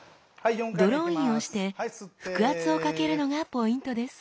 ドローインをして腹圧をかけるのがポイントです